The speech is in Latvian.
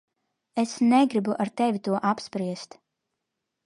Es negribu ar tevi to apspriest.